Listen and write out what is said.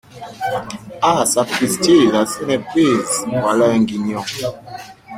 Ah ! sapristi ! la Seine est prise !… voilà un guignon !